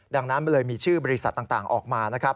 ดังนั้นมันเลยมีชื่อบริษัทต่างออกมานะครับ